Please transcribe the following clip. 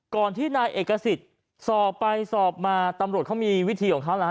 ที่นายเอกสิทธิ์สอบไปสอบมาตำรวจเขามีวิธีของเขาล่ะฮ